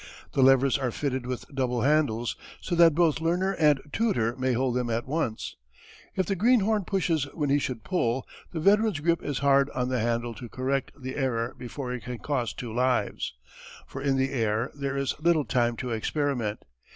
The levers are fitted with double handles so that both learner and tutor may hold them at once. If the greenhorn pushes when he should pull the veteran's grip is hard on the handle to correct the error before it can cost two lives for in the air there is little time to experiment.